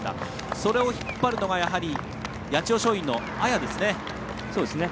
それを引っ張るのが八千代松陰の綾ですね。